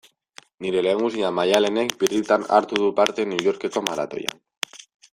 Nire lehengusina Maialenek birritan hartu du parte New Yorkeko maratoian.